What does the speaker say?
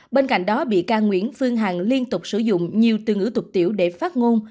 bên cạnh đó bị ca nguyễn phương hằng liên tục sử dụng nhiều từ ngữ tục tiểu để phát ngôn